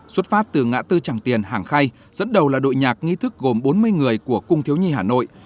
xuất phát từ ngã tư tràng tiền hàng khay dẫn đầu là đội nhạc nghi thức gồm bốn mươi người của cung thiếu nhi hà nội